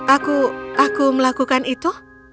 aku aku melakukan itu